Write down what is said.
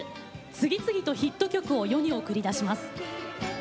次々とヒット曲を世に送り出します。